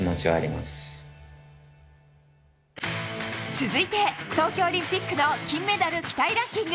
続いて、東京オリンピックの金メダル期待ランキング。